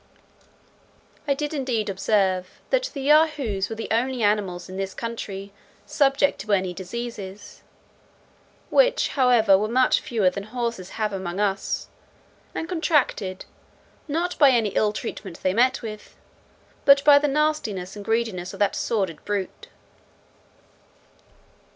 I did indeed observe that the Yahoos were the only animals in this country subject to any diseases; which, however, were much fewer than horses have among us, and contracted, not by any ill treatment they meet with, but by the nastiness and greediness of that sordid brute.